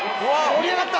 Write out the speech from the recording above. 盛り上がった！